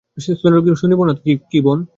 শৈল স্নিগ্ধস্বরে কহিল, শুনিব না তো কি বোন?